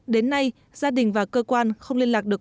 đến nay gia đình và cơ quan không liên lạc được